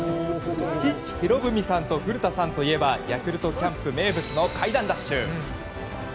父・博文さんと古田さんといえばヤクルトキャンプ名物の階段ダッシュ。